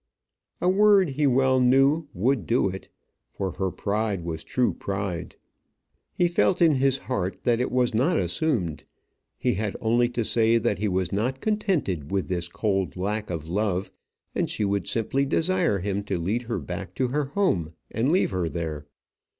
A word he well knew would do it; for her pride was true pride. He felt in his heart that it was not assumed. He had only to say that he was not contented with this cold lack of love, and she would simply desire him to lead her back to her home and leave her there.